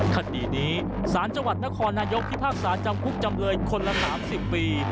คดีนี้สารจังหวัดนครนายกพิพากษาจำคุกจำเลยคนละ๓๐ปี